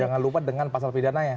jangan lupa dengan pasal pidana ya